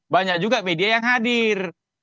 banyak juga media yang hadir